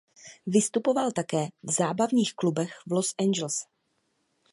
Vystupoval také v zábavních klubech v Los Angeles.